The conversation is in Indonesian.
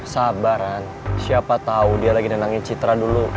sabaran siapa tau dia lagi nandangin citra dulu